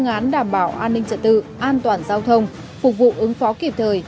công an đảm bảo an ninh trật tự an toàn giao thông phục vụ ứng phó kịp thời